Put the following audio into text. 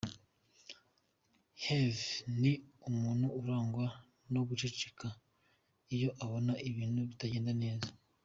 Hervé ni umuntu urangwa no guceka iyo abona ibintu bitagenda neza.